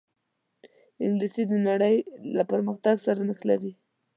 انګلیسي د نړۍ له پرمختګ سره نښلوي